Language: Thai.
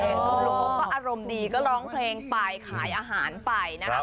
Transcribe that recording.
คุณลุงเขาก็อารมณ์ดีก็ร้องเพลงไปขายอาหารไปนะครับ